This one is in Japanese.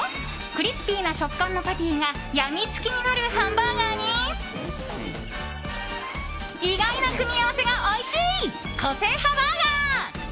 クリスピーな食感のパティが病み付きになるハンバーガーに意外な組み合わせがおいしい個性派バーガー。